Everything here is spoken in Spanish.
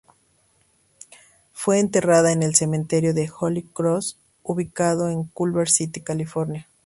Fue enterrada en el Cementerio de Holy Cross, ubicado en Culver City, California.